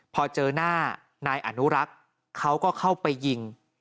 พอเจอหน้านายอนุรักษ์เขาก็เข้าไปยิง